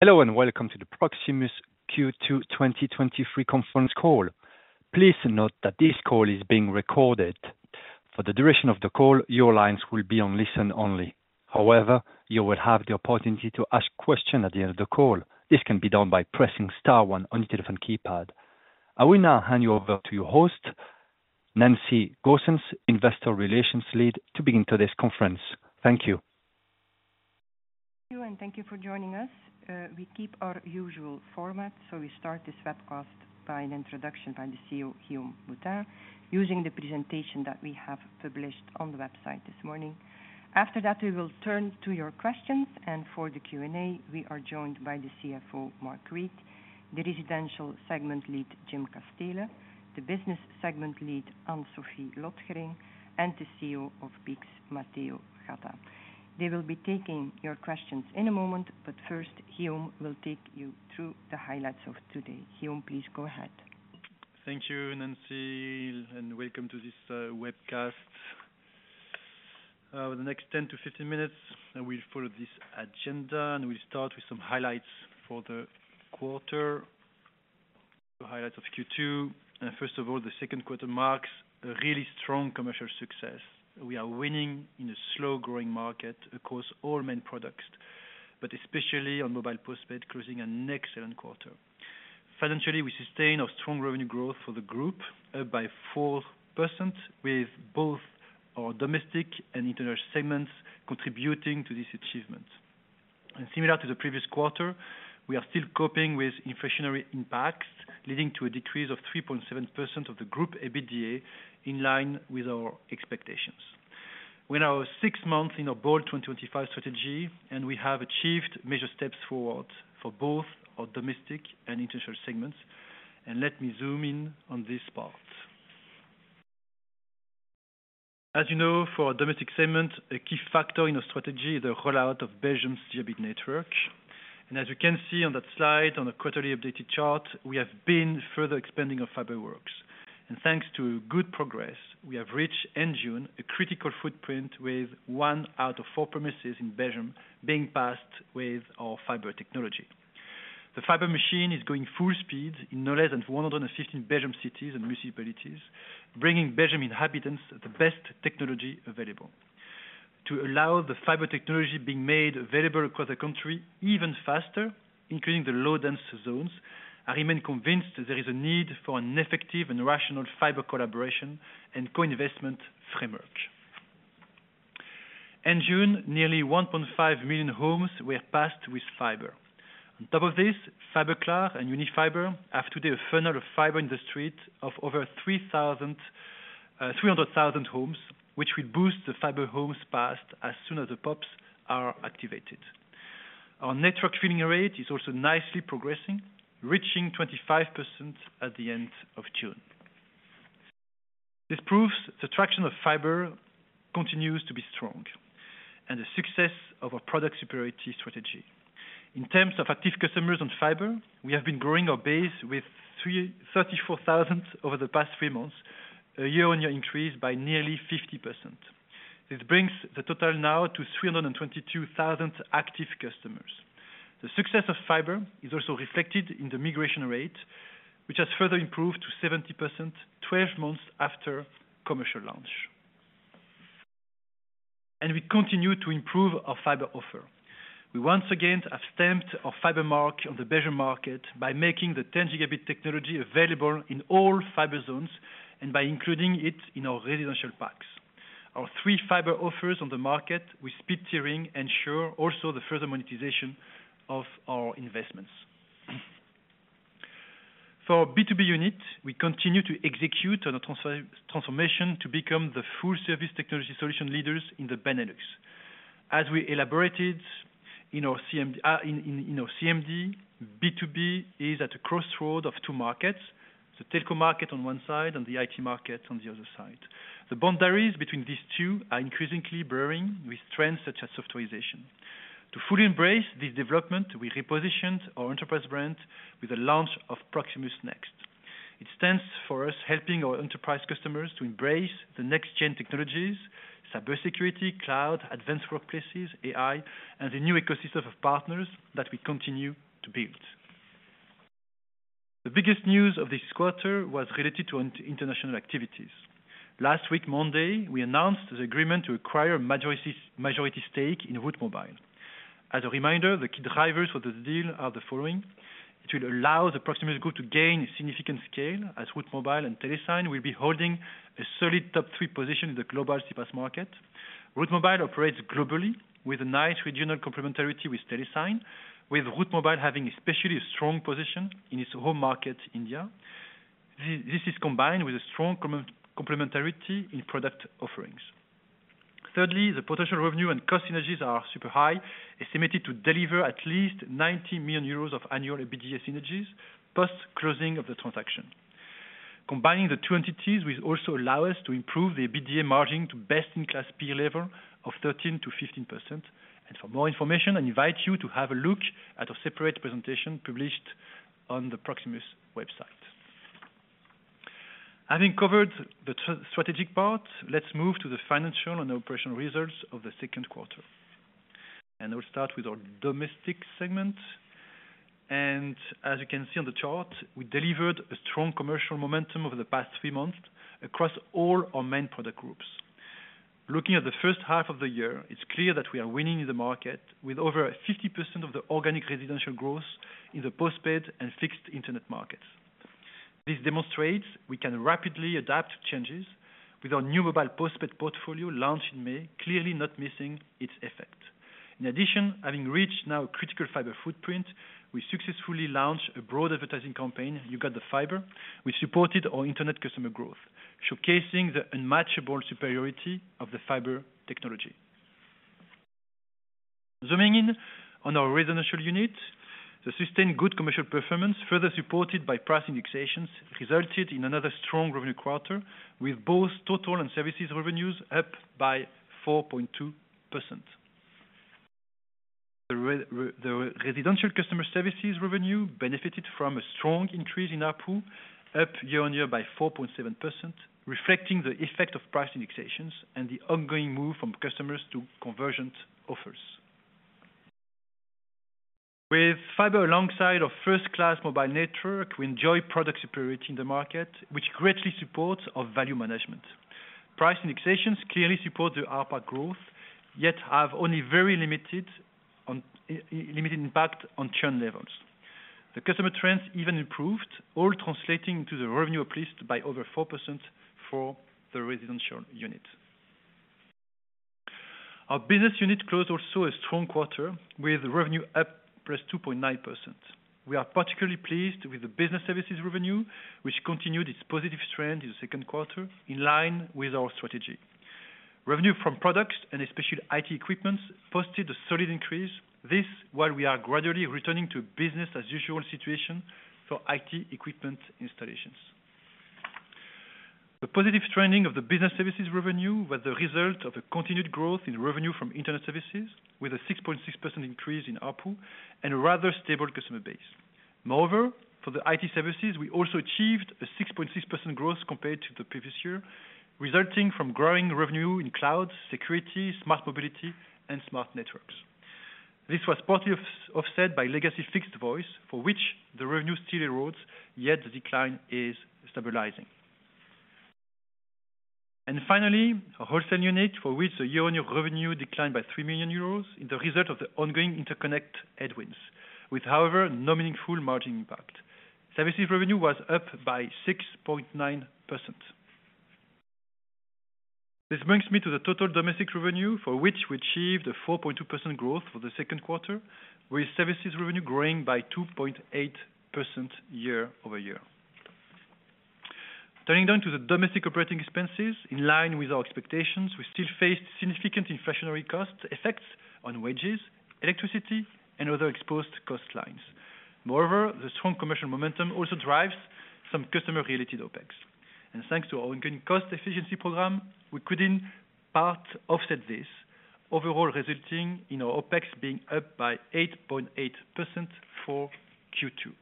Hello, welcome to the Proximus Q2 2023 conference call. Please note that this call is being recorded. For the duration of the call, your lines will be on listen-only. However, you will have the opportunity to ask questions at the end of the call. This can be done by pressing star one on your telephone keypad. I will now hand you over to your host, Nancy Goossens, Investor Relations Lead, to begin today's conference. Thank you. Thank you, and thank you for joining us. We keep our usual format, so we start this webcast by an introduction by the CEO, Guillaume Boutin, using the presentation that we have published on the website this morning. After that, we will turn to your questions, and for the Q&A, we are joined by the CFO, Mark Reid, the Residential Segment Lead, Jim Casteele, the Business Segment Lead, Anne-Sophie Lotgering, and the CEO of BICS, Matteo Gatta. They will be taking your questions in a moment, but first, Guillaume will take you through the highlights of today. Guillaume, please go ahead. Welcome to this webcast. Over the next 10-15 minutes, we'll follow this agenda. We start with some highlights for the quarter. The highlights of Q2. First of all, the second quarter marks a really strong commercial success. We are winning in a slow-growing market across all main products. Especially on mobile postpaid, closing an excellent quarter. Financially, we sustain our strong revenue growth for the group, up by 4%, with both our domestic and international segments contributing to this achievement. Similar to the previous quarter, we are still coping with inflationary impacts, leading to a decrease of 3.7% of the group EBITDA, in line with our expectations. We're now six months in our bold2025 strategy. We have achieved major steps forward for both our domestic and international segments. Let me zoom in on this part. As you know, for our domestic segment, a key factor in our strategy is the rollout of Belgium's GB network. As you can see on that slide, on the quarterly updated chart, we have been further expanding our fiber works. Thanks to good progress, we have reached, in June, a critical footprint with one out of four premises in Belgium being passed with our fiber technology. The fiber machine is going full speed in no less than 115 Belgian cities and municipalities, bringing Belgian inhabitants the best technology available. To allow the fiber technology being made available across the country even faster, including the low-density zones, I remain convinced there is a need for an effective and rational fiber collaboration and co-investment framework. In June, nearly 1.5 million homes were passed with fiber. On top of this, Fiberklaar and Unifiber have today a funnel of fiber in the street of over 300,000 homes, which will boost the fiber homes passed as soon as the pops are activated. Our network training rate is also nicely progressing, reaching 25% at the end of June. This proves the traction of fiber continues to be strong and the success of our product superiority strategy. In terms of active customers on fiber, we have been growing our base with 34,000 over the past three months, a year-on-year increase by nearly 50%. This brings the total now to 322,000 active customers. The success of fiber is also reflected in the migration rate, which has further improved to 70% 12 months after commercial launch. We continue to improve our fiber offer. We once again have stamped our fiber mark on the Belgian market by making the 10 gigabit technology available in all fiber zones and by including it in our residential packs. Our three fiber offers on the market with speed tiering ensure also the further monetization of our investments. For our B2B unit, we continue to execute on a transformation to become the full service technology solution leaders in the Benelux. As we elaborated in our CMD, in our CMD, B2B is at a crossroad of two markets: the telco market on one side and the IT market on the other side. The boundaries between these two are increasingly blurring with trends such as softwarization. To fully embrace this development, we repositioned our enterprise brand with the launch of Proximus NXT. It stands for us helping our enterprise customers to embrace the nextGen technologies, cybersecurity, cloud, advanced workplaces, AI, and the new ecosystem of partners that we continue to build. The biggest news of this quarter was related to international activities. Last week, Monday, we announced the agreement to acquire a majority stake in Route Mobile. As a reminder, the key drivers for this deal are the following: It will allow the Proximus Group to gain significant scale as Route Mobile and Telesign will be holding a solid top three position in the global CPaaS market. Route Mobile operates globally with a nice regional complementarity with Telesign, with Route Mobile having especially a strong position in its home market, India. This is combined with a strong complementarity in product offerings. Thirdly, the potential revenue and cost synergies are super high, estimated to deliver at least 90 million euros of annual EBITDA synergies, post-closing of the transaction. Combining the two entities will also allow us to improve the EBITDA margin to best-in-class peer level of 13%-15%. For more information, I invite you to have a look at a separate presentation published on the Proximus website. Having covered the strategic part, let's move to the financial and operational results of the second quarter. We'll start with our domestic segment. As you can see on the chart, we delivered a strong commercial momentum over the past three months across all our main product groups. Looking at the first half of the year, it's clear that we are winning in the market, with over 50% of the organic residential growth in the postpaid and fixed internet markets. This demonstrates we can rapidly adapt to changes, with our new mobile postpaid portfolio launched in May, clearly not missing its effect. In addition, having reached now a critical fiber footprint, we successfully launched a broad advertising campaign, You Got the Fiber, which supported our internet customer growth, showcasing the unmatchable superiority of the fiber technology. Zooming in on our residential unit, the sustained good commercial performance, further supported by price indexations, resulted in another strong revenue quarter, with both total and services revenues up by 4.2%. The residential customer services revenue benefited from a strong increase in ARPU, up year-on-year by 4.7%, reflecting the effect of price indexations and the ongoing move from customers to convergent offers. With fiber alongside our first-class mobile network, we enjoy product superiority in the market, which greatly supports our value management. Price indexations clearly support the ARPA growth, yet have only very limited on, limited impact on churn levels. The customer trends even improved, all translating to the revenue uplift by over 4% for the residential unit. Our business unit closed also a strong quarter, with revenue up +2.9%. We are particularly pleased with the business services revenue, which continued its positive trend in the second quarter, in line with our strategy. Revenue from products and especially IT equipment, posted a solid increase. This, while we are gradually returning to business as usual situation for IT equipment installations. The positive trending of the business services revenue was the result of the continued growth in revenue from internet services, with a 6.6% increase in ARPU and a rather stable customer base. For the IT services, we also achieved a 6.6% growth compared to the previous year, resulting from growing revenue in cloud, security, smart mobility, and smart networks. This was partly offset by legacy fixed voice, for which the revenue still erodes, yet the decline is stabilizing. Finally, our wholesale unit, for which the year-on-year revenue declined by 3 million euros, is the result of the ongoing interconnect headwinds, with however, no meaningful margin impact. Services revenue was up by 6.9%. This brings me to the total domestic revenue, for which we achieved a 4.2% growth for Q2, with services revenue growing by 2.8% year-over-year. Turning down to the domestic OpEx, in line with our expectations, we still face significant inflationary costs, effects on wages, electricity, and other exposed cost lines. Moreover, the strong commercial momentum also drives some customer-related OpEx. Thanks to our ongoing cost efficiency program, we could in part offset this, overall resulting in our OpEx being up by 8.8% for Q2.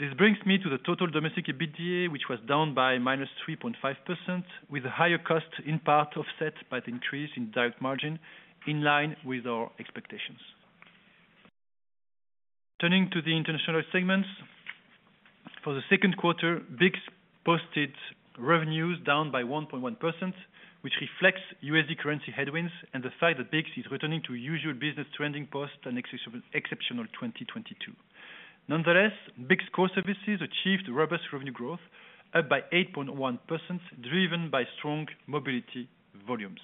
This brings me to the total domestic EBITDA, which was down by -3.5%, with a higher cost in part offset by the increase in direct margin, in line with our expectations. Turning to the international segments, for the second quarter, BICS posted revenues down by 1.1%, which reflects USD currency headwinds and the fact that BICS is returning to usual business trending post an excess of exceptional 2022. Nonetheless, BICS core services achieved robust revenue growth, up by 8.1%, driven by strong mobility volumes.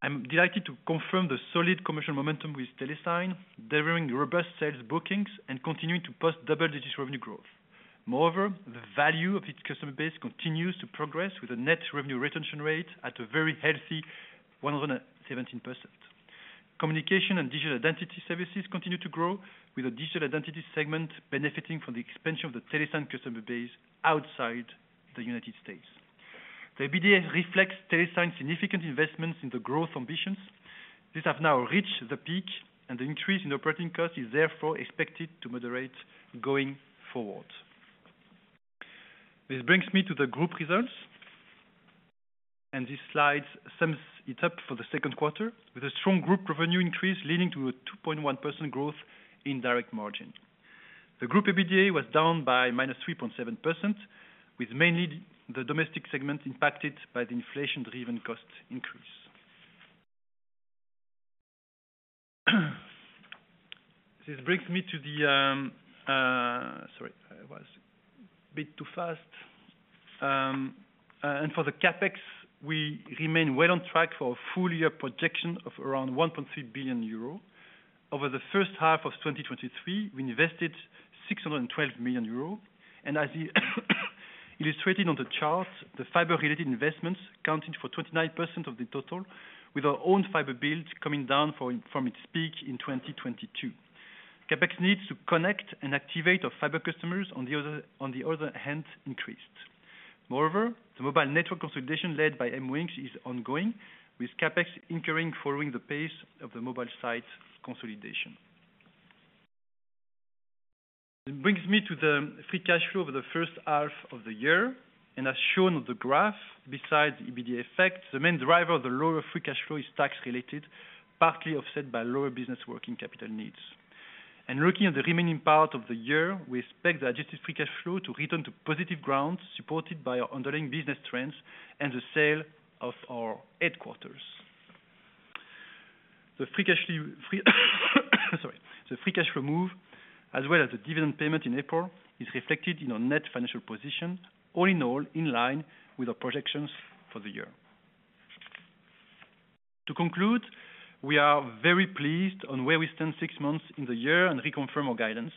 I'm delighted to confirm the solid commercial momentum with Telesign, delivering robust sales bookings and continuing to post double-digit revenue growth. Moreover, the value of its customer base continues to progress with a net revenue retention rate at a very healthy 117%. Communication and digital identity services continue to grow, with a digital identity segment benefiting from the expansion of the Telesign customer base outside the United States. The EBITDA reflects Telesign's significant investments in the growth ambitions. These have now reached the peak. The increase in operating costs is therefore expected to moderate going forward. This brings me to the group results. This slide sums it up for the second quarter, with a strong group revenue increase leading to a 2.1% growth in direct margin. The group EBITDA was down by -3.7%, with mainly the domestic segment impacted by the inflation-driven cost increase. This brings me to the. Sorry, I was a bit too fast. For the CapEx, we remain well on track for a full-year projection of around 1.3 billion euro. Over the first half of 2023, we invested 612 million euro. As illustrated on the chart, the fiber-related investments accounted for 29% of the total, with our own fiber build coming down from its peak in 2022. CapEx needs to connect and activate our fiber customers on the other hand increased. Moreover, the mobile network consolidation led by MWingz is ongoing, with CapEx incurring following the pace of the mobile site consolidation. It brings me to the Free Cash Flow over the first half of the year, as shown on the graph, besides the EBITDA effects, the main driver of the lower Free Cash Flow is tax-related, partly offset by lower business working capital needs. Looking at the remaining part of the year, we expect the adjusted Free Cash Flow to return to positive grounds, supported by our underlying business trends and the sale of our headquarters. The Free Cash Flow, sorry. The Free Cash Flow move, as well as the dividend payment in April, is reflected in our net financial position, all in all, in line with our projections for the year. To conclude, we are very pleased on where we stand six months in the year and reconfirm our guidance.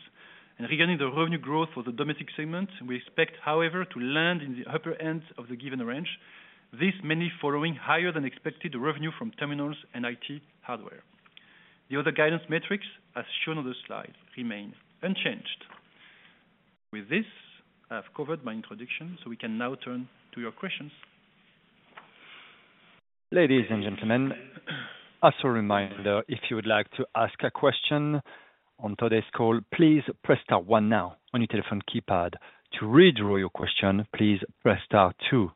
Regarding the revenue growth for the domestic segment, we expect, however, to land in the upper ends of the given range. This mainly following higher than expected revenue from terminals and IT hardware. The other guidance metrics, as shown on the slide, remain unchanged. With this, I have covered my introduction, we can now turn to your questions. Ladies and gentlemen, as a reminder, if you would like to ask a question on today's call, please press star one now on your telephone keypad. To redraw your question, please press star two.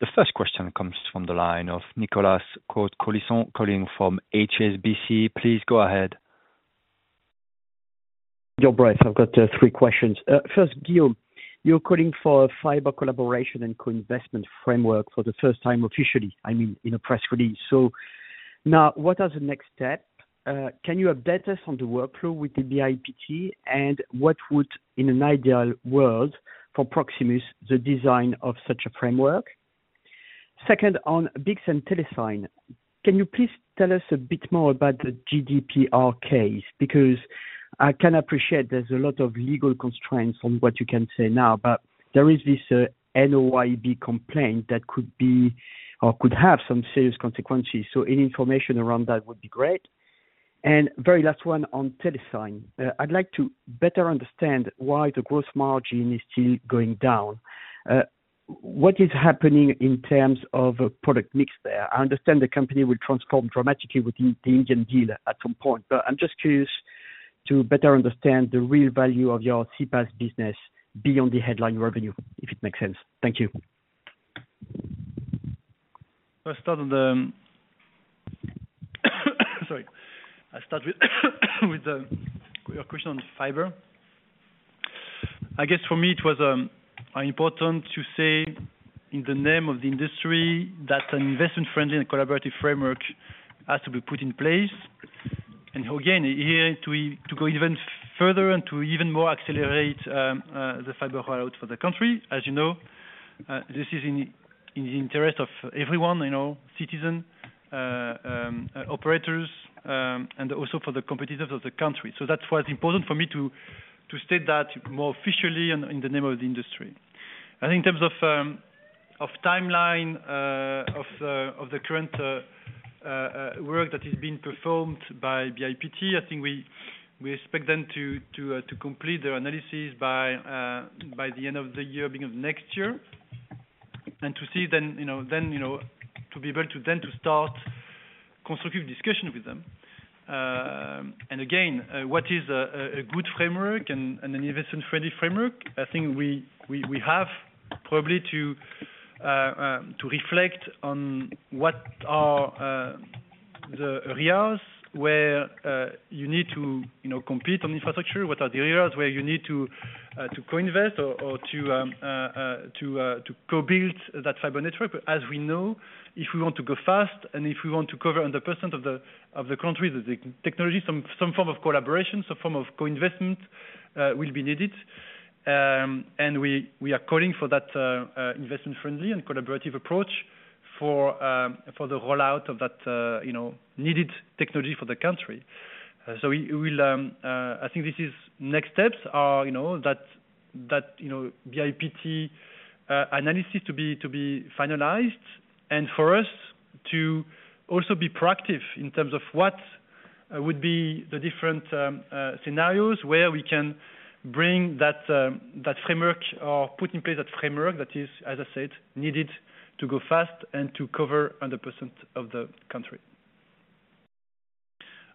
The first question comes from the line of Nicolas Cote-Colisson, calling from HSBC. Please go ahead. I've got 3 questions. First, Guillaume, you're calling for fiber collaboration and co-investment framework for the first time officially, I mean, in a press release. Now what are the next steps? Can you update us on the workflow with the BIPT, and what would, in an ideal world, for Proximus, the design of such a framework? Second, on BICS and Telesign, can you please tell us a bit more about the GDPR case? Because I can appreciate there's a lot of legal constraints on what you can say now, but there is this noyb complaint that could be or could have some serious consequences. Any information around that would be great. Very last one on Telesign. I'd like to better understand why the growth margin is still going down. What is happening in terms of product mix there? I understand the company will transform dramatically with the, the Indian deal at some point, but I'm just curious to better understand the real value of your CPaaS business beyond the headline revenue, if it makes sense. Thank you. I'll start on the, sorry. I'll start with, with, your question on fiber. I guess for me, it was important to say in the name of the industry, that an investment-friendly and collaborative framework has to be put in place. Again, here to, to go even further and to even more accelerate the fiber rollout for the country, as you know, this is in, in the interest of everyone, you know, citizen, operators, and also for the competitors of the country. That's why it's important for me to, to state that more officially in, in the name of the industry. I think in terms of timeline of the current work that is being performed by BIPT, I think we, we expect them to complete their analysis by the end of the year, beginning of next year. To see then, you know, then, you know, to be able to then to start constructive discussion with them. Again, what is a good framework and an investment-friendly framework? I think we, we, we have probably to reflect on what are the areas where you need to, you know, compete on infrastructure, what are the areas where you need to co-invest or or to to co-build that fiber network. As we know, if we want to go fast, and if we want to cover 100% of the, of the country, the, the technology, some, some form of collaboration, some form of co-investment will be needed. We, we are calling for that investment-friendly and collaborative approach for the rollout of that, you know, needed technology for the country. We, we will, I think this is next steps are, you know, that, that, you know, BIPT analysis to be, to be finalized. For us to also be proactive in terms of what would be the different scenarios where we can bring that framework or put in place that framework that is, as I said, needed to go fast and to cover 100% of the country.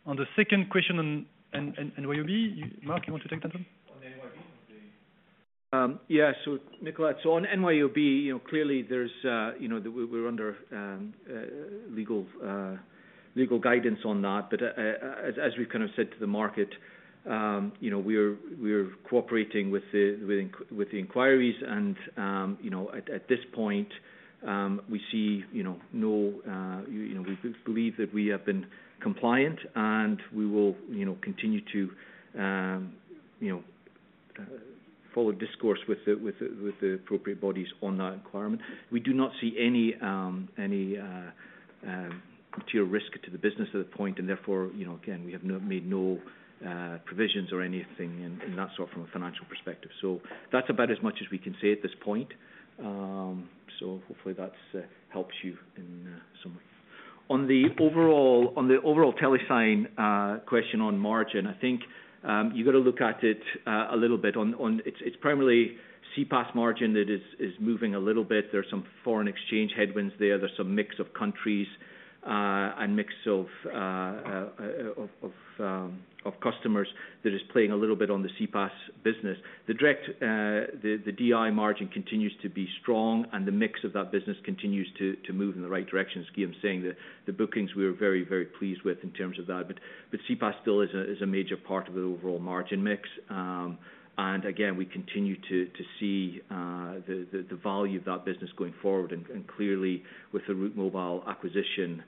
On the second question on noyb, Mark, you want to take that one? noyb. Yeah, Nicolas, on noyb, you know, clearly there's, you know, we're, we're under legal legal guidance on that. As, as we've kind of said to the market, you know, we're, we're cooperating with the, with, with the inquiries and, you know, at, at this point, we see, you know, no, you know, we believe that we have been compliant and we will, you know, continue to, you know, follow discourse with the, with the, with the appropriate bodies on that requirement. We do not see any any material risk to the business at that point, and therefore, you know, again, we have not made no provisions or anything in, in that sort from a financial perspective. That's about as much as we can say at this point. Hopefully that helps you in some way. On the overall, on the overall Telesign question on margin, I think you got to look at it a little bit on, on it's, it's primarily CPaaS margin that is, is moving a little bit. There's some foreign exchange headwinds there. There's some mix of countries and mix of of customers that is playing a little bit on the CPaaS business. The direct, the Direct margin continues to be strong, and the mix of that business continues to, to move in the right direction. As Guillaume is saying, the, the bookings we are very, very pleased with in terms of that, CPaaS still is a, is a major part of the overall margin mix. And again, we continue to, to see, the, the, the value of that business going forward. Clearly, with the Route Mobile acquisition,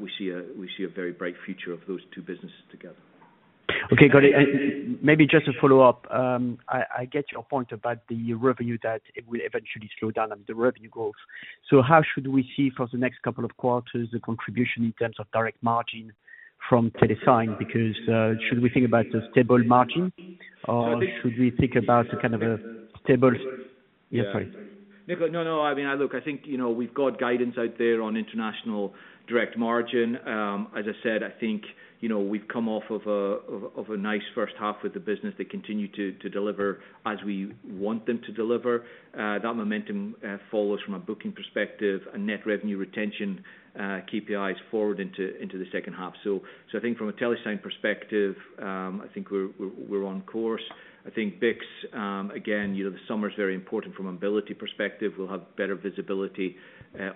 we see a, we see a very bright future of those two businesses together. Okay, got it. Maybe just to follow up, I, I get your point about the revenue that it will eventually slow down and the revenue growth. How should we see for the next couple of quarters, the contribution in terms of direct margin from Telesign? Because, should we think about the stable margin, or should we think about the kind of a stable...? Yeah, sorry? Nicolas, no, no. I mean, I look, I think, you know, we've got guidance out there on international Direct margin. As I said, I think, you know, we've come off of a, of, of a nice first half with the business. They continue to, to deliver as we want them to deliver. That momentum follows from a booking perspective, a net revenue retention, KPIs forward into, into the second half. So I think from a Telesign perspective, I think we're, we're, we're on course. I think BICS, again, you know, the summer is very important from mobility perspective. We'll have better visibility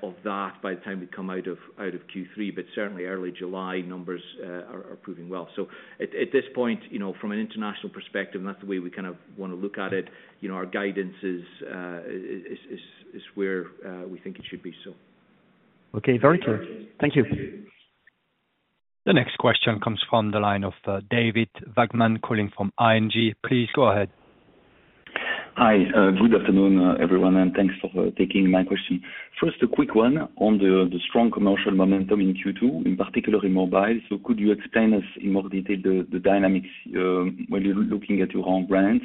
of that by the time we come out of, out of Q3, but certainly early July numbers are proving well. At, at this point, you know, from an international perspective, that's the way we kind of want to look at it. You know, our guidance is where we think it should be, so. Okay, very clear. Thank you. The next question comes from the line of, David Vagman, calling from ING. Please go ahead. Hi. Good afternoon, everyone, and thanks for taking my question. First, a quick one on the, the strong commercial momentum in Q2, in particular in mobile. Could you explain us in more detail the dynamics, when you're looking at your own brands,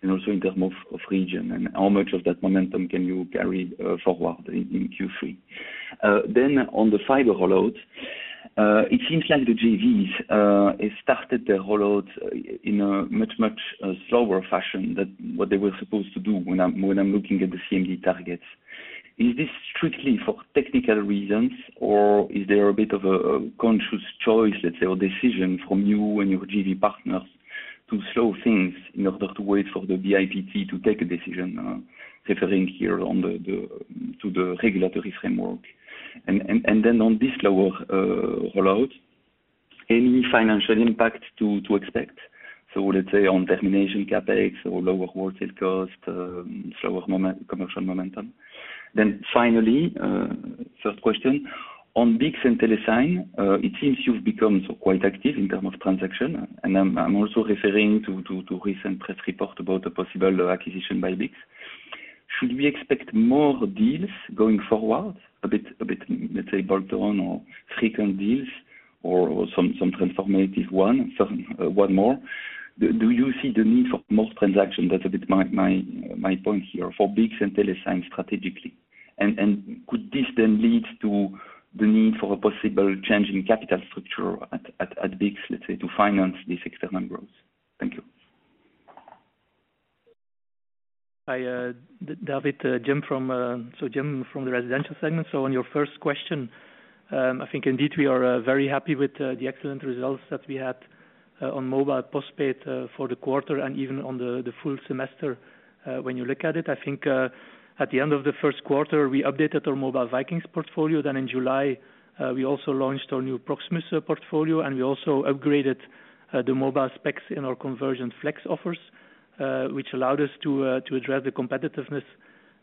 and also in term of, of region, and how much of that momentum can you carry forward in Q3? Then on the fiber roll-out, it seems like the JVs, it started the roll-out in a much, much slower fashion than what they were supposed to do, when I'm, when I'm looking at the CMD targets. Is this strictly for technical reasons, or is there a bit of a conscious choice, let's say, or decision from you and your JV partners to slow things in order to wait for the BIPT to take a decision, referring here to the regulatory framework? On this lower roll-out, any financial impact to expect? Let's say on termination, CapEx, or lower wholesale cost, slower commercial momentum. Finally, third question, on BICS and Telesign, it seems you've become so quite active in term of transaction, and I'm also referring to recent press report about a possible acquisition by BICS. Should we expect more deals going forward? A bit, let's say, bolt-on or frequent deals or some transformative one, some one more. Do you see the need for more transaction? That's a bit my point here, for BICS and Telesign strategically. Could this then lead to the need for a possible change in capital structure at BICS, let's say, to finance this external growth? Thank you. Hi, David. Jim from the residential segment. On your first question, I think indeed we are very happy with the excellent results that we had on mobile postpaid for the quarter and even on the full semester. When you look at it, I think at the end of the first quarter, we updated our Mobile Vikings portfolio. In July, we also launched our new Proximus portfolio, and we also upgraded the mobile specs in our convergent flex offers, which allowed us to to address the competitiveness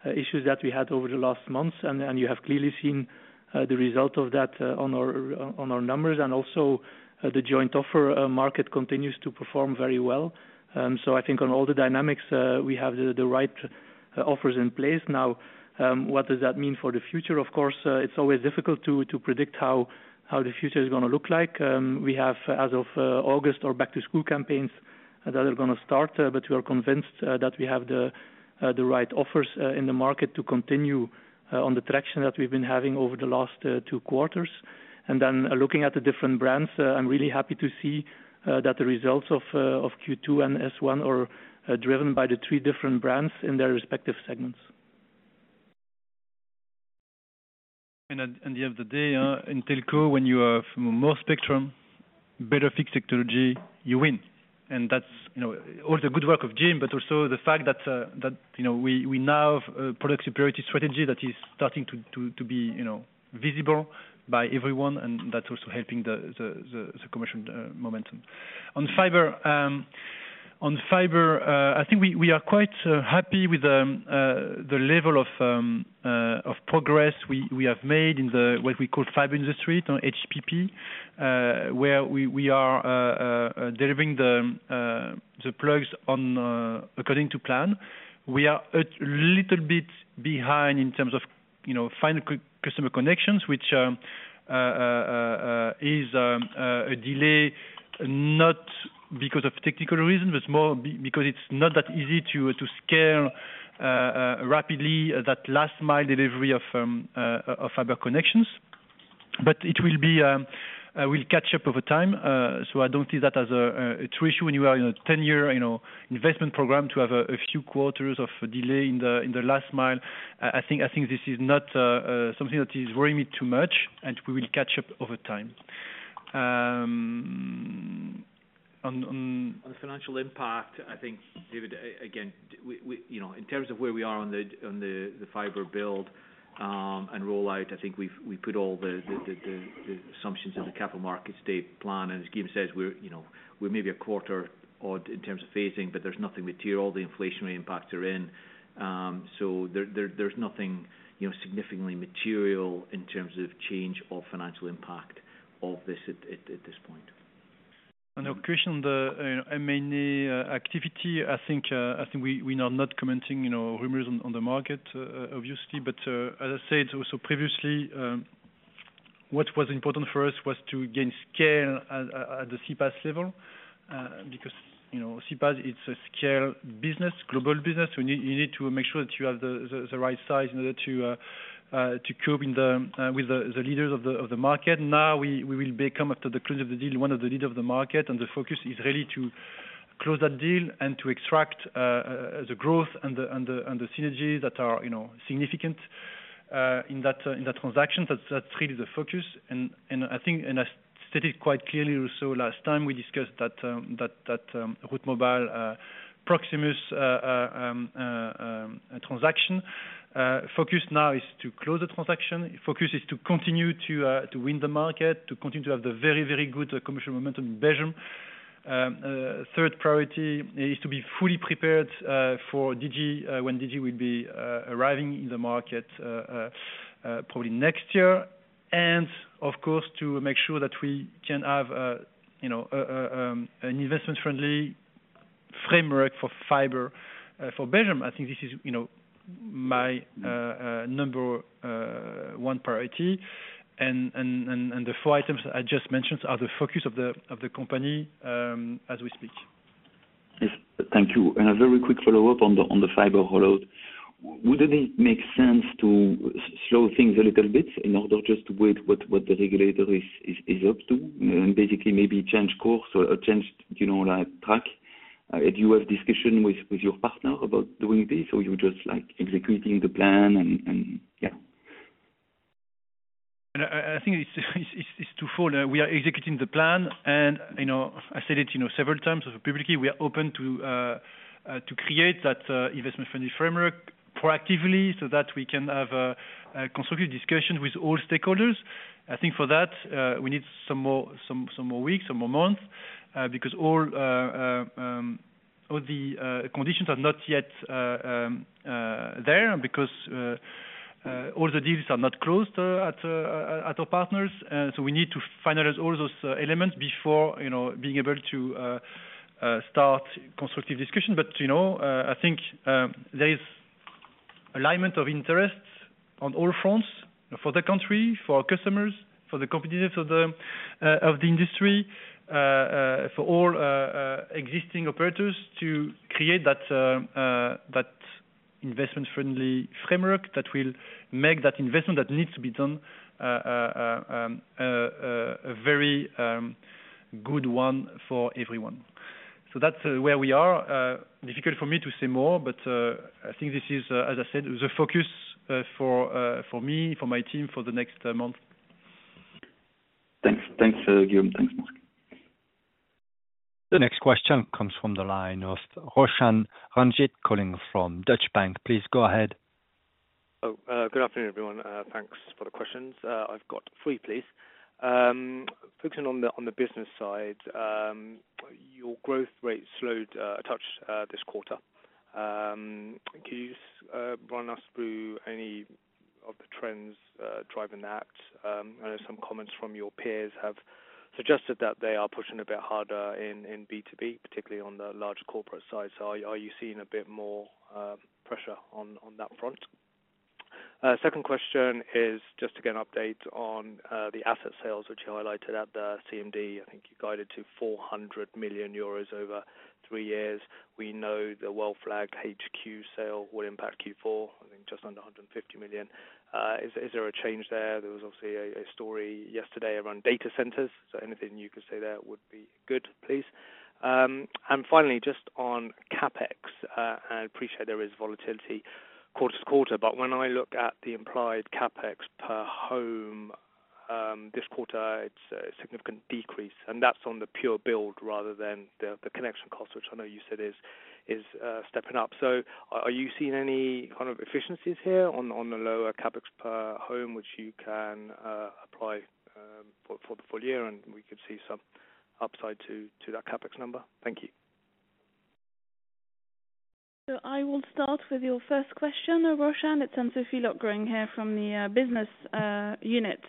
issues that we had over the last months. You have clearly seen the result of that on our, on our numbers. Also, the joint offer market continues to perform very well. I think on all the dynamics, we have the right offers in place. Now, what does that mean for the future? Of course, it's always difficult to predict how the future is gonna look like. We have, as of August, our back-to-school campaigns that are gonna start, but we are convinced that we have the right offers in the market to continue on the traction that we've been having over the last 2 quarters. Looking at the different brands, I'm really happy to see that the results of Q2 and S1 are driven by the three different brands in their respective segments. At, at the end of the day, in telco, when you have more spectrum, better fixed technology, you win. That's, you know, all the good work of Jim, but also the fact that, you know, we, we now have a product security strategy that is starting to, to, to be, you know, visible by everyone, and that's also helping the, the, the, the commercial momentum. On fiber, on fiber, I think we, we are quite happy with the level of progress we, we have made in the, what we call fiber in the street on HPP, where we, we are delivering the plugs on according to plan. We are a little bit behind in terms of, you know, final customer connections, which is a delay, not because of technical reason, but more because it's not that easy to, to scale rapidly that last mile delivery of fiber connections. It will be, we'll catch up over time. I don't see that as a true issue when you are in a 10-year, you know, investment program to have a few quarters of delay in the, in the last mile. I, I think, I think this is not something that is worrying me too much, and we will catch up over time. On, on, on the financial impact, I think, David, again, we, we, you know, in terms of where we are on the, on the, the fiber build, and rollout, I think we've, we put all the, the, the, the, the assumptions of the capital market state plan. As Guillaume says, we're, you know, we're maybe a quarter odd in terms of phasing, but there's nothing material. All the inflationary impacts are in. There, there, there's nothing, you know, significantly material in terms of change or financial impact of this at, at, at this point. On your question, the M&A activity, I think, I think we, we are not commenting, you know, rumors on, on the market, obviously. As I said also previously, what was important for us was to gain scale at, at, at the CPaaS level. Because, you know, CPaaS, it's a scale business, global business. You need, you need to make sure that you have the, the, the right size in order to to cope in the with the, the leaders of the, of the market. Now, we, we will become, after the close of the deal, one of the leaders of the market, the focus is really to close that deal and to extract the growth and the, and the, and the synergies that are, you know, significant, in that, in that transaction. That's, that's really the focus. I think, and I stated quite clearly also last time we discussed that, that, that Route Mobile Proximus transaction. Focus now is to close the transaction. Focus is to continue to win the market, to continue to have the very, very good commercial momentum in Belgium. Third priority is to be fully prepared for Digi when Digi will be arriving in the market probably next year. Of course, to make sure that we can have, you know, an investment-friendly framework for fiber for Belgium. I think this is, you know, my number 1 priority. And, and, and the four items I just mentioned are the focus of the, of the company, as we speak. Yes, thank you. A very quick follow-up on the, on the fiber rollout. Would it make sense to slow things a little bit in order just to wait what, what the regulator is up to? Basically maybe change course or change, you know, like, track. Do you have discussion with your partner about doing this, or you just, like, executing the plan and, yeah? I think it's twofold. We are executing the plan, and, you know, I said it, you know, several times publicly, we are open to create that investment-friendly framework proactively so that we can have constructive discussions with all stakeholders. I think for that, we need some more, some, some more weeks, some more months, because all the conditions are not yet there, because all the deals are not closed at our partners. So we need to finalize all those elements before, you know, being able to start constructive discussion. You know, I think there is alignment of interests on all fronts for the country, for our customers, for the competitors, of the industry, for all existing operators to create that investment-friendly framework that will make that investment that needs to be done a very good one for everyone. So that's where we are. Difficult for me to say more, but I think this is, as I said, the focus for me, for my team, for the next month. Thanks. Thanks, Guillaume. Thanks, Mark. The next question comes from the line of Roshan Ranjit, calling from Deutsche Bank. Please go ahead. Oh, good afternoon, everyone. Thanks for the questions. I've got 3, please. Focusing on the, on the business side, your growth rate slowed a touch this quarter. Can you run us through any of the trends driving that? I know some comments from your peers have suggested that they are pushing a bit harder in B2B, particularly on the large corporate side. Are you seeing a bit more pressure on that front? Second question is just to get an update on the asset sales, which you highlighted at the CMD. I think you guided to 400 million euros over 3 years. We know the well-flagged HQ sale will impact Q4, I think just under 150 million. Is there a change there? There was obviously a, a story yesterday around data centers, so anything you could say there would be good, please. And finally, just on CapEx, and I appreciate there is volatility quarter to quarter, but when I look at the implied CapEx per home, this quarter, it's a significant decrease, and that's on the pure build rather than the, the connection cost, which I know you said is, is, stepping up. So are, are you seeing any kind of efficiencies here on, on the lower CapEx per home, which you can, apply, for, for the full year, and we could see some upside to, to that CapEx number? Thank you. I will start with your first question, Roshan. It's Anne-Sophie Lotgering here from the business unit.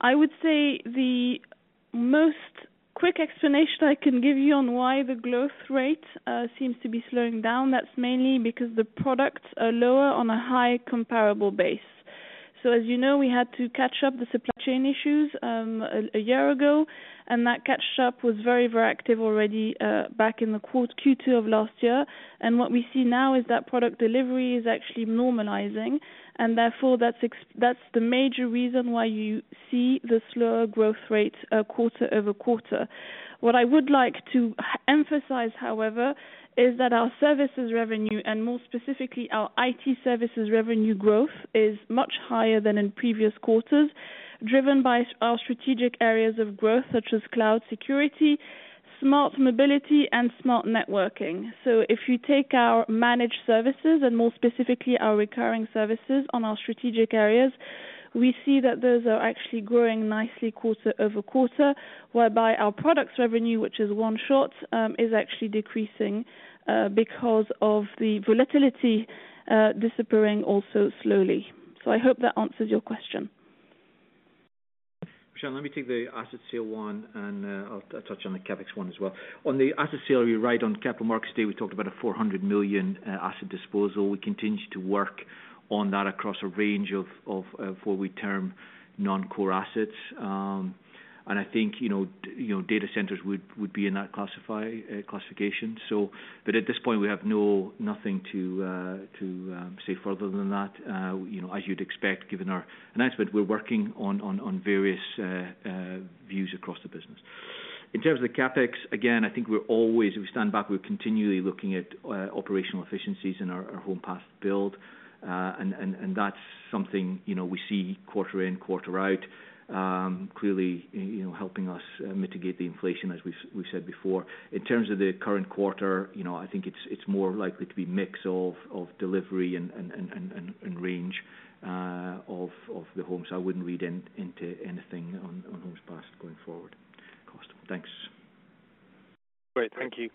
I would say the most quick explanation I can give you on why the growth rate seems to be slowing down. That's mainly because the products are lower on a high comparable base. As you know, we had to catch up the supply chain issues a year ago, and that catch up was very, very active already back in the quarter, Q2 of last year. What we see now is that product delivery is actually normalizing, and therefore, that's the major reason why you see the slower growth rate quarter-over-quarter. What I would like to emphasize, however, is that our services revenue, and more specifically our IT services revenue growth, is much higher than in previous quarters, driven by our strategic areas of growth, such as cloud, security, smart mobility, and smart networking. If you take our managed services, and more specifically, our recurring services on our strategic areas, we see that those are actually growing nicely quarter over quarter, whereby our products revenue, which is one short, is actually decreasing because of the volatility disappearing also slowly. I hope that answers your question. Michelle, let me take the asset sale one, I'll touch on the CapEx one as well. On the asset sale, you're right. On Capital Markets Day, we talked about a 400 million asset disposal. We continue to work on that across a range of what we term non-core assets. I think, you know, you know, data centers would be in that classification. But at this point, we have nothing to say further than that, you know, as you'd expect, given our announcement. We're working on various views across the business. In terms of the CapEx, again, I think we're always, we stand back, we're continually looking at operational efficiencies in our home pass build. That's something, you know, we see quarter in, quarter out, clearly, you know, helping us mitigate the inflation as we've, we said before. In terms of the current quarter, you know, I think it's, it's more likely to be mix of delivery and range of the homes. I wouldn't read into anything on homes passed going forward. Cool, thanks. Great. Thank you.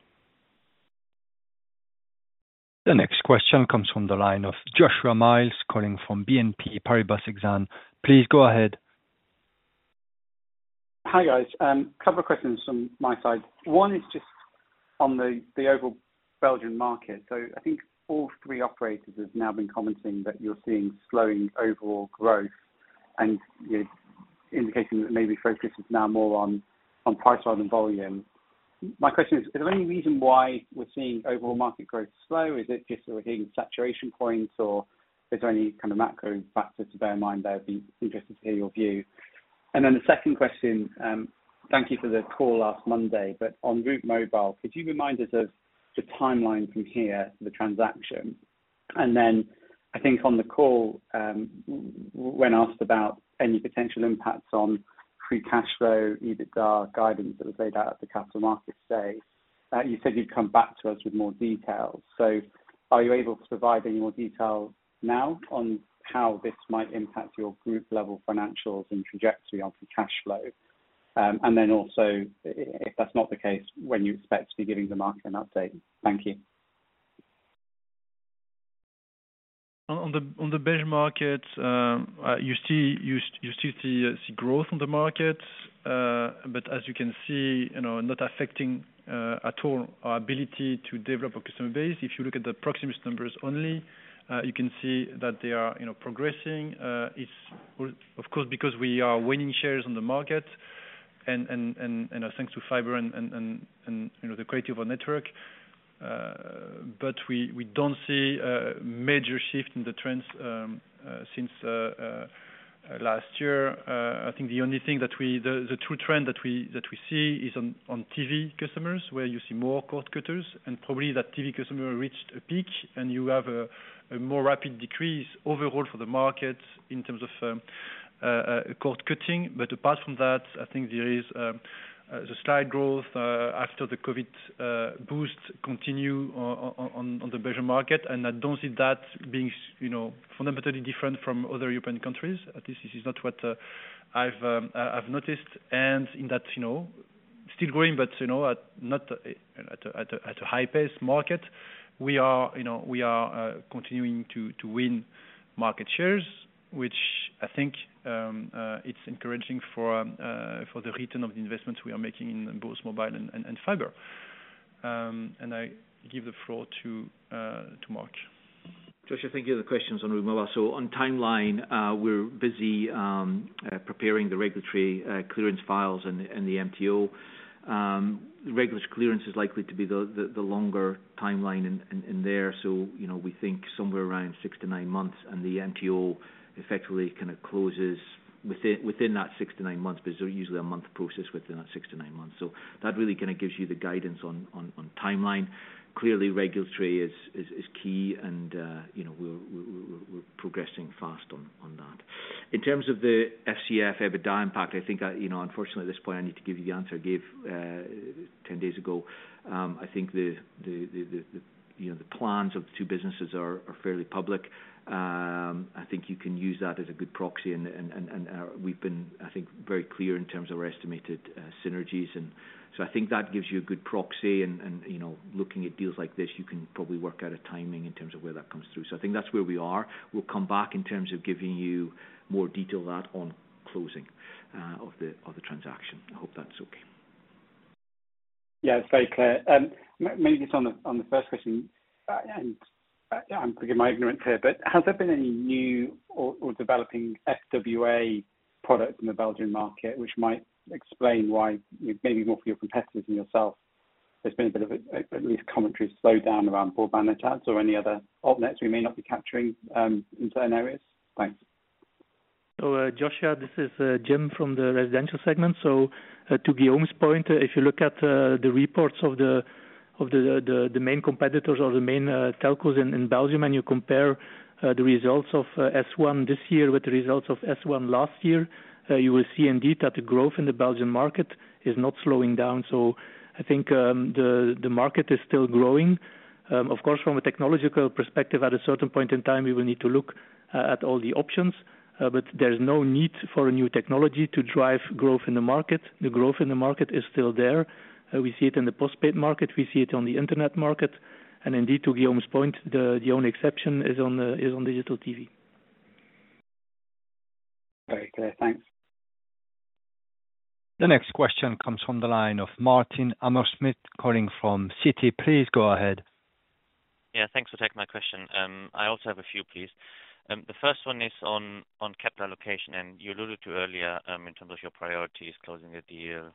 The next question comes from the line of Joshua Mills, calling from BNP Paribas Exane. Please go ahead. Hi, guys. Couple of questions from my side. One is just on the overall Belgian market. I think all three operators have now been commenting that you're seeing slowing overall growth and you're indicating that maybe focus is now more on price rather than volume. My question is, is there any reason why we're seeing overall market growth slow? Is it just that we're hitting saturation points, or is there any kind of macro factors to bear in mind there? I'd be interested to hear your view. Then the second question, thank you for the call last Monday, on Route Mobile, could you remind us of the timeline from here, the transaction? I think on the call, when asked about any potential impacts on Free Cash Flow, EBITDA guidance that was laid out at the Capital Markets Day, you said you'd come back to us with more details. Are you able to provide any more detail now on how this might impact your group level financials and trajectory on Free Cash Flow? Then also, if that's not the case, when you expect to be giving the market an update. Thank you. On, on the, on the Belgian market, you see, you, you still see, see growth on the market, but as you can see, you know, not affecting at all our ability to develop a customer base. If you look at the Proximus numbers only, you can see that they are, you know, progressing. It's of course, because we are winning shares on the market and, and, and, and, thanks to fiber and, and, and, and, you know, the quality of our network. We, we don't see a major shift in the trends, since last year. I think the only thing that we, the true trend that we, that we see is on, on TV customers, where you see more cord cutters, and probably that TV customer reached a peak, and you have a, a more rapid decrease overall for the market in terms of cord cutting. Apart from that, I think there is the slight growth after the COVID boost continue on the Belgian market. I don't see that being, you know, fundamentally different from other European countries. At least this is not what I've, I, I've noticed. In that, you know, still growing, but, you know, at not at a, at a, at a high pace market. We are, you know, we are, continuing to, to win market shares, which I think, it's encouraging for, for the return of the investments we are making in both mobile and, and, and fiber. I give the floor to, to Mark. Joshua, thank you for the questions on Route Mobile. So on timeline, we're busy preparing the regulatory clearance files and the MTO. Regulatory clearance is likely to be the longer timeline in there. So, you know, we think somewhere around 6-9 months, and the MTO effectively kind of closes within that 6-9 months, but it's usually a 1 month process within that 6-9 months. So that really kind of gives you the guidance on timeline. Clearly, regulatory is key, and, you know, we're progressing fast on that. In terms of the FCF, EBITDA impact, I think, you know, unfortunately, at this point, I need to give you the answer I gave 10 days ago I think the, the, the, the, you know, the plans of the two businesses are, are fairly public. I think you can use that as a good proxy, and, and, and, and, we've been, I think, very clear in terms of our estimated, synergies. I think that gives you a good proxy, and, and, you know, looking at deals like this, you can probably work out a timing in terms of where that comes through. I think that's where we are. We'll come back in terms of giving you more detail on that, on closing, of the, of the transaction. I hope that's okay. Yeah, it's very clear. Maybe just on the, on the first question, yeah, and forgive my ignorance here, has there been any new or developing FWA products in the Belgian market which might explain why, maybe more for your competitors than yourself? There's been a bit of at least commentary slow down around broadband attacks or any other alt nets we may not be capturing in certain areas? Thanks. Joshua, this is Jim from the residential segment. To Guillaume's point, if you look at the reports of the main competitors or the main telcos in Belgium, and you compare the results of S1 this year with the results of S1 last year, you will see indeed, that the growth in the Belgian market is not slowing down. I think the market is still growing. Of course, from a technological perspective, at a certain point in time, we will need to look at all the options, but there's no need for a new technology to drive growth in the market. The growth in the market is still there. We see it in the postpaid market, we see it on the internet market, and indeed, to Guillaume's point, the only exception is on digital TV. Very clear. Thanks. The next question comes from the line of Martin Hammerschmidt, calling from Citi. Please go ahead. Yeah, thanks for taking my question. I also have a few, please. The first one is on, on capital allocation, and you alluded to earlier, in terms of your priorities, closing the deal,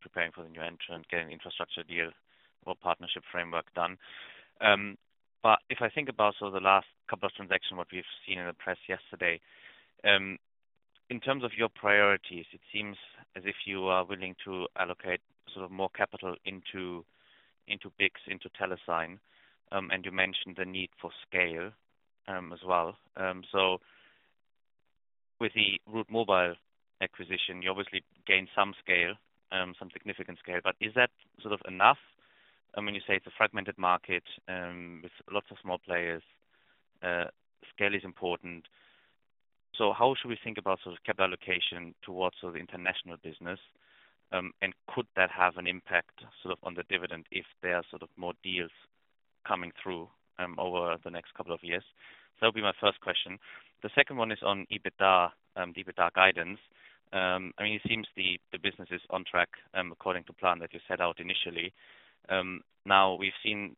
preparing for the new entrant, getting infrastructure deal or partnership framework done. If I think about sort of the last couple of transactions, what we've seen in the press yesterday, in terms of your priorities, it seems as if you are willing to allocate sort of more capital into, into BICS, into Telesign, and you mentioned the need for scale, as well. With the Route Mobile acquisition, you obviously gained some scale, some significant scale, but is that sort of enough? I mean, you say it's a fragmented market, with lots of small players, scale is important. How should we think about sort of capital allocation towards sort of the international business? Could that have an impact, sort of on the dividend if there are sort of more deals coming through, over the next couple of years? That would be my first question. The second one is on EBITDA, EBITDA guidance. I mean, it seems the, the business is on track, according to plan that you set out initially. Now we've seen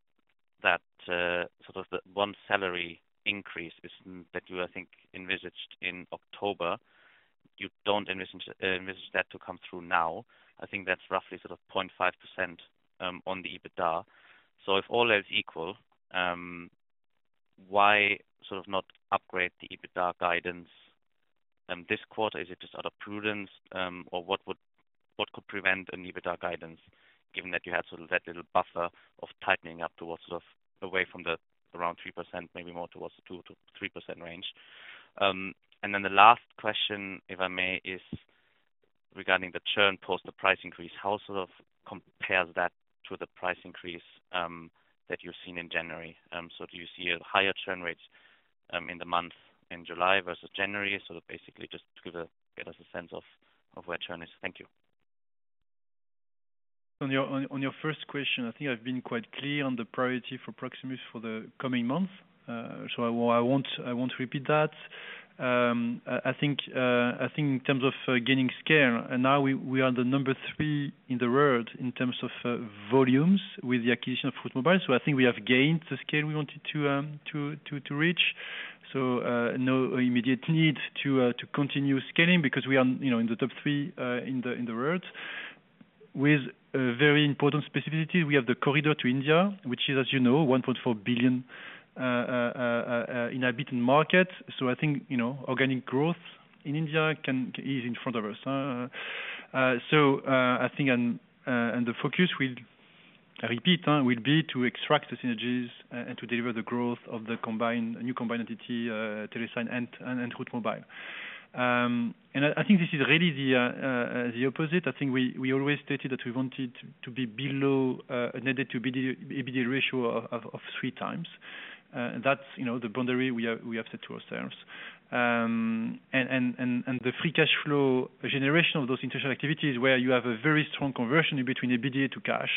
that, sort of the one salary increase is, that you, I think, envisaged in October. You don't envisage, envisage that to come through now. I think that's roughly sort of 0.5%, on the EBITDA. If all else equal, why sort of not upgrade the EBITDA guidance this quarter? Is it just out of prudence, or what would, what could prevent an EBITDA guidance, given that you have sort of that little buffer of tightening up towards sort of away from the around 3%, maybe more towards 2%-3% range? Then the last question, if I may, is regarding the churn post the price increase. How sort of compares that to the price increase that you've seen in January? Do you see a higher churn rates in the month in July versus January? Basically just get us a sense of where churn is. Thank you. On your first question, I think I've been quite clear on the priority for Proximus for the coming months. I, I won't, I won't repeat that. I, I think, I think in terms of gaining scale, and now we, we are the number three in the world in terms of volumes with the acquisition of Route Mobile. I think we have gained the scale we wanted to reach. No immediate need to continue scaling because we are, you know, in the top three in the world. With a very important specificity, we have the corridor to India, which is, as you know, 1.4 billion inhabitant market. I think, you know, organic growth in India can, is in front of us. I think and the focus will, I repeat, will be to extract the synergies and to deliver the growth of the combined, new combined entity, Telesign and Route Mobile. I, I think this is really the opposite. I think we, we always stated that we wanted to be below a Net Debt to EBITDA ratio of 3 times. That's, you know, the boundary we have, we have set to ourselves. The Free Cash Flow generation of those international activities, where you have a very strong conversion in between EBITDA to cash,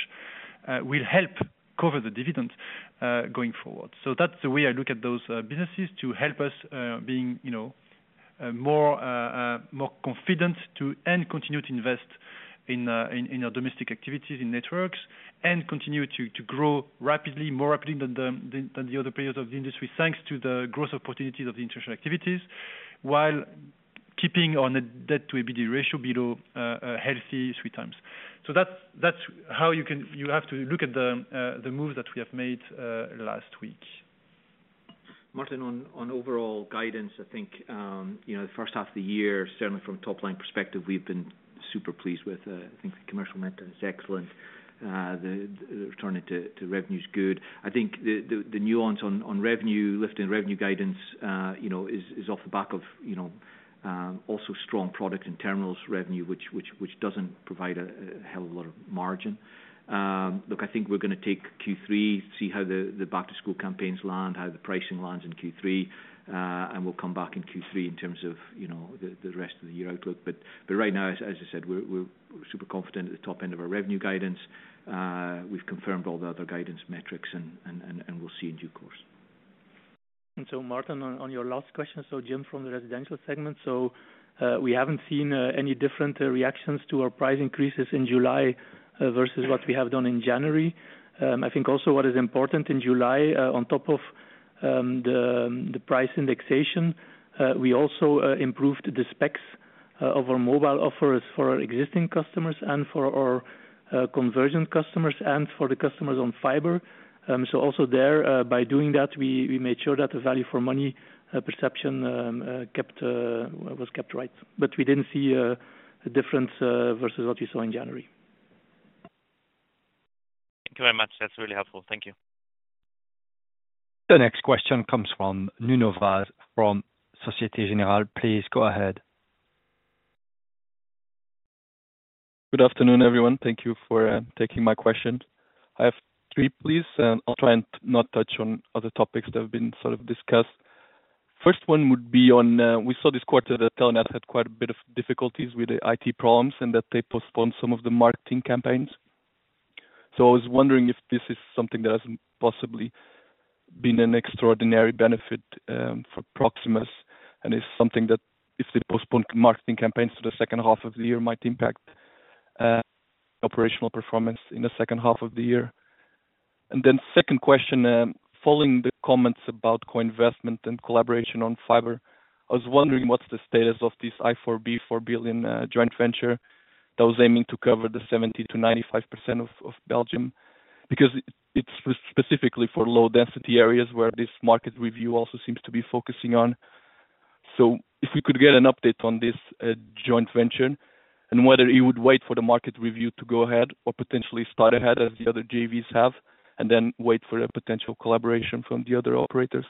will help cover the dividend going forward. That's the way I look at those businesses to help us being, you know, more, more confident to, and continue to invest in, in our domestic activities, in networks, and continue to, to grow rapidly, more rapidly than the, than, than the other periods of the industry, thanks to the growth opportunities of the international activities, while keeping our net debt to EBITDA ratio below a healthy three times. That's, that's how you can, you have to look at the moves that we have made last week. Martin, on, on overall guidance, I think, you know, the first half of the year, certainly from top line perspective, we've been super pleased with, I think the commercial momentum is excellent. The, the return into, to revenue is good. I think the, the, the nuance on, on revenue, lifting revenue guidance, you know, is, is off the back of, you know, also strong products and terminals revenue, which, which, which doesn't provide a, a hell of a lot of margin. Look, I think we're gonna take Q3, see how the, the back-to-school campaigns land, how the pricing lands in Q3, we'll come back in Q3 in terms of, you know, the, the rest of the year outlook. But right now, as, as I said, we're, we're super confident at the top end of our revenue guidance. We've confirmed all the other guidance metrics, and we'll see in due course. Martin, on, on your last question, so Jim, from the residential segment. We haven't seen any different reactions to our price increases in July versus what we have done in January. I think also what is important in July, on top of the price indexation, we also improved the specs of our mobile offers for our existing customers and for our conversion customers and for the customers on fiber. Also there, by doing that, we made sure that the value for money perception kept was kept right. We didn't see a difference versus what we saw in January. Thank you very much. That's really helpful. Thank you. The next question comes from Nuno Vaz from Societe Generale. Please go ahead. Good afternoon, everyone. Thank you for taking my question. I have 3, please, and I'll try and not touch on other topics that have been sort of discussed. First one would be on, we saw this quarter that Telenet had quite a bit of difficulties with the IT problems and that they postponed some of the marketing campaigns. I was wondering if this is something that has possibly been an extraordinary benefit for Proximus, and is something that if they postpone marketing campaigns to the second half of the year, might impact operational performance in the second half of the year? Second question, following the comments about co-investment and collaboration on fiber, I was wondering what's the status of this i4B 4 billion joint venture that was aiming to cover the 70%-95% of Belgium? It's specifically for low density areas where this market review also seems to be focusing on. If we could get an update on this joint venture and whether you would wait for the market review to go ahead or potentially start ahead as the other JVs have, and then wait for a potential collaboration from the other operators.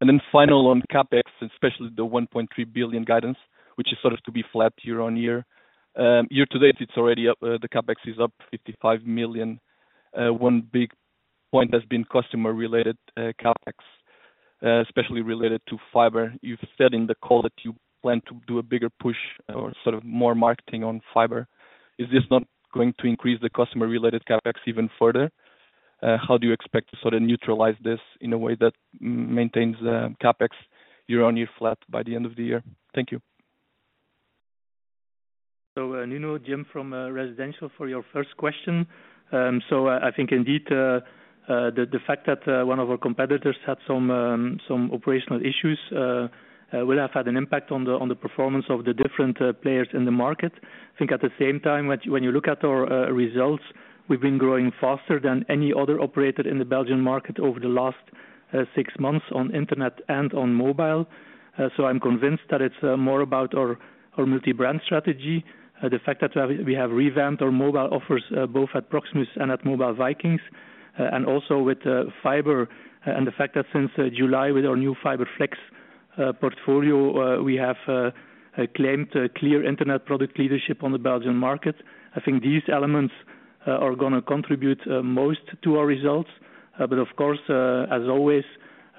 Then final on CapEx, especially the 1.3 billion guidance, which is sort of to be flat year-over-year. Year to date, it's already up, the CapEx is up 55 million. One big point has been customer-related CapEx, especially related to fiber. You've said in the call that you plan to do a bigger push or sort of more marketing on fiber. Is this not going to increase the customer-related CapEx even further? How do you expect to sort of neutralize this in a way that maintains, CapEx year-on-year flat by the end of the year? Thank you. Nuno, Jim, from Residential for your first question. I, I think indeed, the, the fact that one of our competitors had some operational issues will have had an impact on the, on the performance of the different players in the market. I think at the same time, when, when you look at our results, we've been growing faster than any other operator in the Belgian market over the last six months on internet and on mobile. I'm convinced that it's more about our multi-brand strategy. The fact that we have revamped our mobile offers, both at Proximus and at Mobile Vikings, and also with fiber, and the fact that since July, with our new Fiber Flex portfolio, we have claimed a clear internet product leadership on the Belgian market. I think these elements are gonna contribute most to our results. Of course, as always,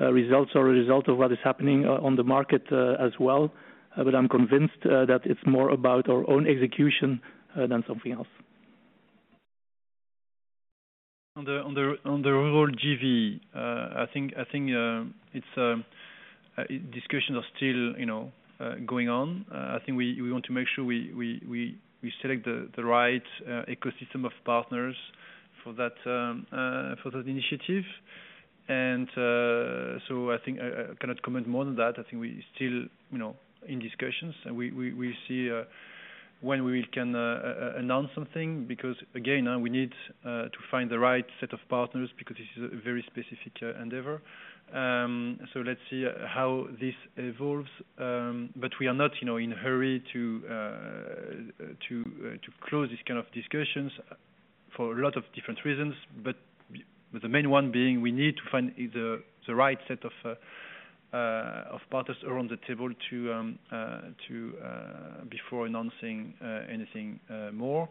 results are a result of what is happening on the market as well. I'm convinced that it's more about our own execution than something else. On the, on the, on the rural JV, I think, I think, it's, discussions are still, you know, going on. I think we, we want to make sure we, we, we, we select the, the right ecosystem of partners for that, for that initiative. So I think I, I cannot comment more on that. I think we still, you know, in discussions and we, we, we see when we can announce something, because again, we need to find the right set of partners because this is a very specific endeavor. Let's see how this evolves. We are not, you know, in a hurry to close this kind of discussions for a lot of different reasons, but the main one being, we need to find the right set of partners around the table to before announcing anything more.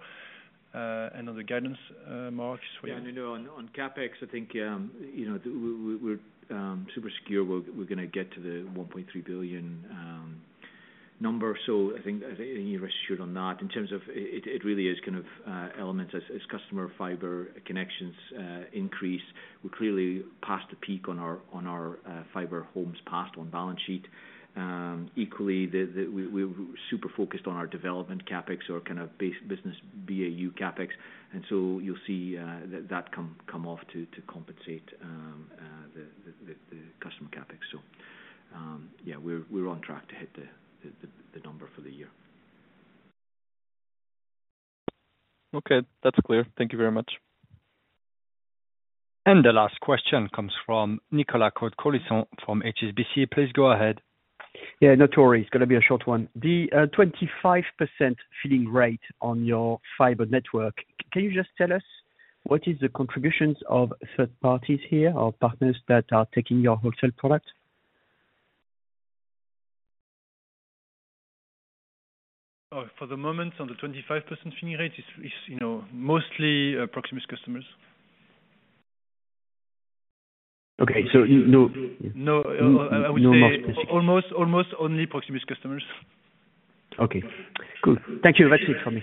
On the guidance, Mark? Yeah, no, no, on, on CapEx, I think, you know, we, we, we're super secure. We're gonna get to the 1.3 billion number. I think any assured on that in terms of it, it really is kind of elements as customer fiber connections increase, we clearly passed a peak on our fiber homes passed on balance sheet. Equally, we're super focused on our development CapEx or kind of base business BAU CapEx, so you'll see that come, come off to compensate the customer CapEx. Yeah, we're on track to hit the number for the year. Okay, that's clear. Thank you very much. The last question comes from Nicolas Cote-Colisson from HSBC. Please go ahead. Yeah, no worries. It's gonna be a short one. The, 25% filling rate on your fiber network, can you just tell us what is the contributions of third parties here or partners that are taking your wholesale product? For the moment, on the 25% filling rate is, you know, mostly, Proximus customers. Okay. no- No, I would say No more. Almost only Proximus customers. Okay, cool. Thank you. That's it for me.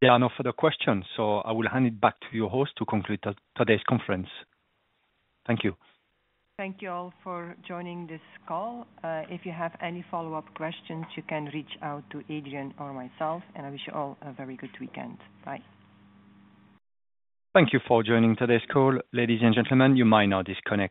There are no further questions, I will hand it back to your host to conclude today's conference. Thank you. Thank you all for joining this call. If you have any follow-up questions, you can reach out to Adrian or myself. I wish you all a very good weekend. Bye. Thank you for joining today's call. Ladies and gentlemen, you might now disconnect.